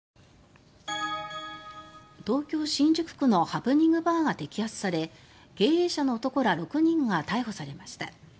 東京・新宿区のハプニングバーが摘発され経営者の男ら６人が逮捕されました。